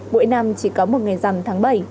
buổi năm chỉ có một ngày rằm tháng bảy